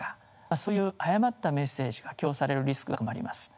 そういう誤ったメッセージが強調されるリスクが高まります。